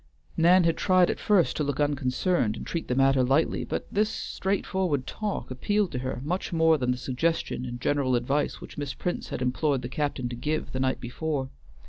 Nan had tried at first to look unconcerned and treat the matter lightly, but this straightforward talk appealed to her much more than the suggestion and general advice which Miss Prince had implored the captain to give the night before.